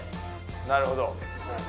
なるほど。